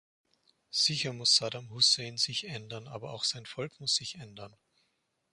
Sicher muss Saddam Hussein sich ändern, aber auch sein Volk muss sich ändern.